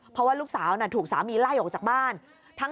เพราะว่าลูกสาวถูกสามีไล่ออกจากบ้าน